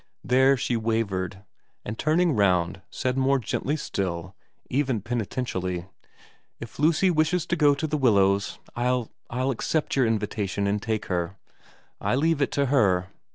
There she wavered, and turning round said more gently still, even penitentially, ' If Lucy wishes to go to The Willows I'll I'll accept your kind invitation and take her. I leave it to her.'